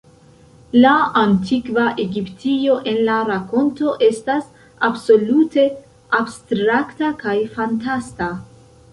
La antikva Egiptio en la rakonto estas absolute abstrakta kaj fantasta.